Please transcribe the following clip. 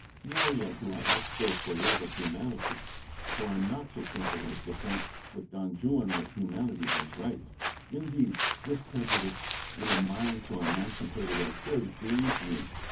Nor yet do I act so for love of humanity; for I am not so simple as to think with 'Don Juan' that humanity has rights; indeed this prejudice, in a mind so emancipated as his, grieves me.